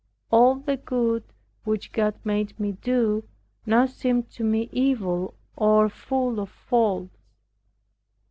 All the good, which God made me do, now seemed to me evil or full of faults.